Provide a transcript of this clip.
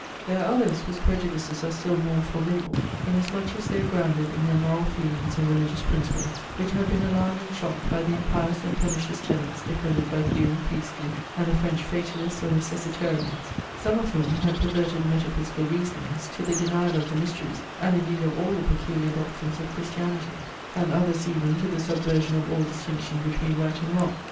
There are others, whose prejudices are still more formidable, inasmuch as they are grounded in their moral feelings and religious principles, which had been alarmed and shocked by the impious and pernicious tenets defended by Hume, Priestley, and the French fatalists or necessitarians; some of whom had perverted metaphysical reasonings to the denial of the mysteries and indeed of all the peculiar doctrines of Christianity; and others even to the subversion of all distinction between right and wrong.